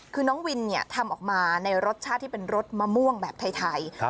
คือน้องวินเนี่ยทำออกมาในรสชาติที่เป็นรสมะม่วงแบบไทย